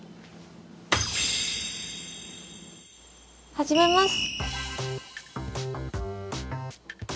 始めます！